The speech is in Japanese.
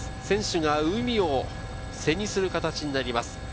選手が海を背にする形になります。